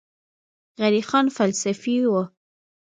غني خان فلسفي و